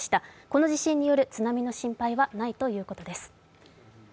この地震による津波の心配はないということです。